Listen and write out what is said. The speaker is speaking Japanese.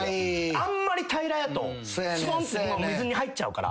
あんまり平らやとスポンスポン水に入っちゃうから。